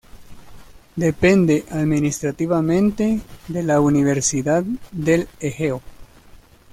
Depende administrativamente de la Universidad del Egeo.